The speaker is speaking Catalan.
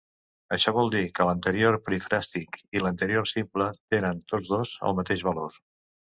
Això vol dir que l'Anterior Perifràstic i l'Anterior Simple tenen tots dos el mateix valor.